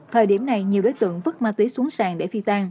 thời điểm này nhiều đối tượng vứt ma túy xuống sàn để phi tan